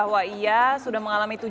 jatian epa jayante